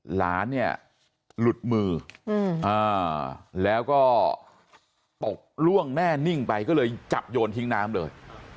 หลานเนี่ยหลุดมือแล้วก็ตกล่วงแน่นิ่งไปก็เลยจับโยนทิ้งน้ำเลย